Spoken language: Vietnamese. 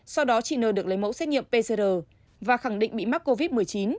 sau đó chị n được lấy mẫu xét nghiệm pcr và khẳng định bị mắc covid một mươi chín